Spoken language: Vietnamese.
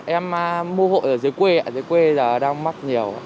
em mua hộ ở dưới quê ạ dưới quê đang mắc nhiều